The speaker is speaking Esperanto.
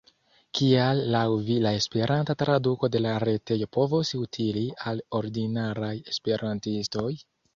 Kial laŭ vi la esperanta traduko de la retejo povos utili al ordinaraj esperantistoj?